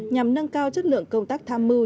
nhằm nâng cao chất lượng công tác tham mưu